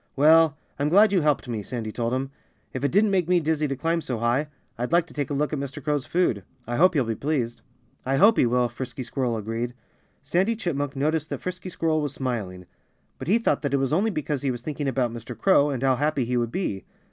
"Well I'm glad you helped me," Sandy told him. "If it didn't make me dizzy to climb so high I'd like to take a look at Mr. Crow's food. I hope he'll be pleased." "I hope he will," Frisky Squirrel agreed. Sandy Chipmunk noticed that Frisky Squirrel was smiling. But he thought that it was only because he was thinking about Mr. Crow, and how happy he would be.